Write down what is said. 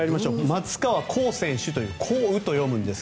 松川虎生選手という「こう」と読むんです。